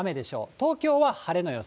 東京は晴れの予想。